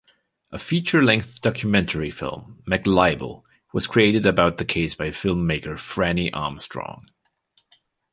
A feature-length documentary film, "McLibel", was created about the case by filmmaker Franny Armstrong.